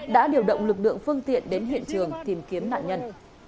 đã điều động lực lượng phương tiện đến hiện trường tìm kiếm nạn nhân